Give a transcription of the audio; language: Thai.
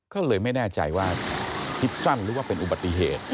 ก็เลยไม่แน่ใจว่าคิดสั้นหรือว่าเป็นอุบัติเหตุ